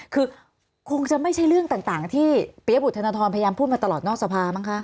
คือคงจะไม่ใช่เรื่องต่างที่เปี๊ยบุธนทรพยายามพูดมาตลอดนอกสภามั้งคะ